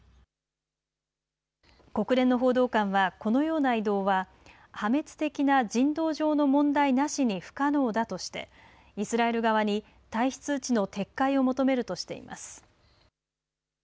国連の報道官はこのような移動は破滅的な人道上の問題なしに不可能だとしてイスラエル側に退避通知の撤回を求めるとしています。